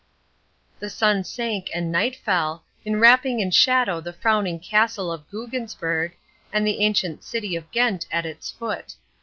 The sun sank and night fell, enwrapping in shadow the frowning castle of Buggensberg, and the ancient city of Ghent at its foot.